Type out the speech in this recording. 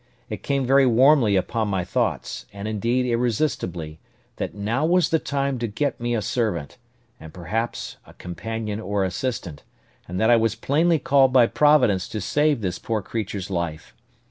It came very warmly upon my thoughts, and indeed irresistibly, that now was the time to get me a servant, and, perhaps, a companion or assistant; and that I was plainly called by Providence to save this poor creature's life.